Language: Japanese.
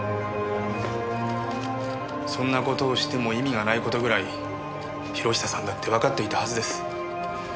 そんな事をしても意味がない事ぐらい博久さんだってわかっていたはずです。